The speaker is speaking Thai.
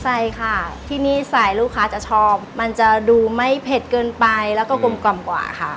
ใส่ค่ะที่นี่ใส่ลูกค้าจะชอบมันจะดูไม่เผ็ดเกินไปแล้วก็กลมกล่อมกว่าค่ะ